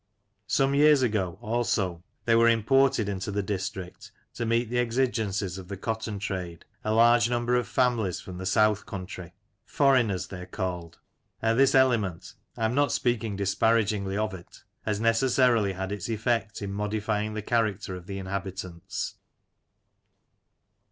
Some years ago, also, there were imported into the district, to meet the exigencies of the cotton trade, a large number of families from the south country, " foreigners " they are called, and this element (I am not speaking disparagingly of it) has necessarily had its effect in modifying the character of the inhabitants.